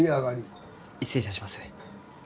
失礼いたします。